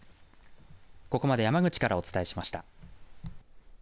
ここまで山口からお伝えしました。